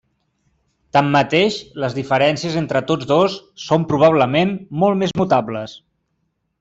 Tanmateix, les diferències entre tots dos són probablement molt més notables.